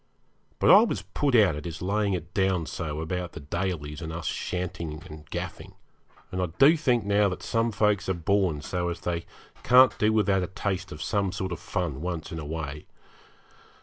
But I was put out at his laying it down so about the Dalys and us shantying and gaffing, and I do think now that some folks are born so as they can't do without a taste of some sort of fun once in a way.